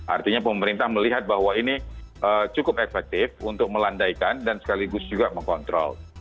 artinya pemerintah melihat bahwa ini cukup efektif untuk melandaikan dan sekaligus juga mengontrol